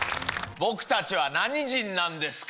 僕たちは何人なんですか？